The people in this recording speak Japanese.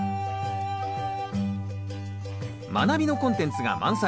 「まなび」のコンテンツが満載。